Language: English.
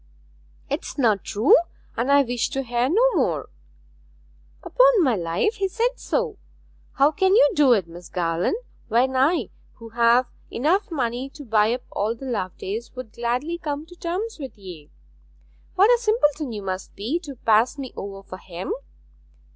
'It is not true, and I wish to hear no more.' 'Upon my life, he said so! How can you do it, Miss Garland, when I, who have enough money to buy up all the Lovedays, would gladly come to terms with ye? What a simpleton you must be, to pass me over for him!